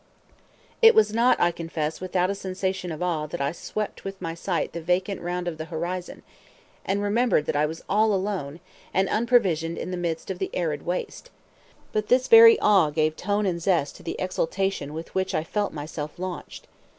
It was not, I confess, without a sensation of awe that I swept with my sight the vacant round of the horizon, and remembered that I was all alone, and unprovisioned in the midst of the arid waste; but this very awe gave tone and zest to the exultation with which I felt myself launched.